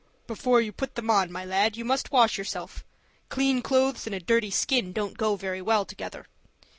"Before you put them on, my lad, you must wash yourself. Clean clothes and a dirty skin don't go very well together.